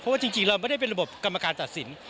ว่าจริงเราไม่ได้เป็นระบบกรรมการตัดสิน